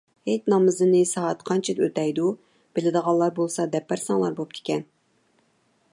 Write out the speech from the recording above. ھېيت نامىزىنى سائەت قانچىدە ئۆتەيدۇ؟ بىلىدىغانلار بولسا دەپ بەرسەڭلار بوپتىكەن.